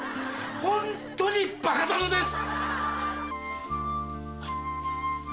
ホントにバカ殿です！